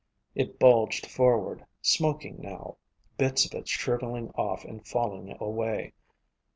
It bulged forward, smoking now, bits of it shriveling off and falling away.